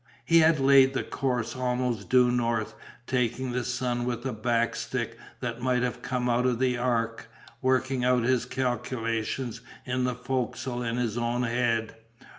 He had laid the course almost due north, taking the sun with a back stick that might have come out of the Ark, working out his calculations in the fo'c'sle in his own head.